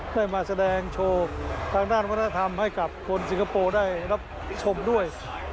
ได้มาแสดงโชว์ทางด้านวัฒนธรรมให้กับคนสิงคโปร์ได้รับชมด้วย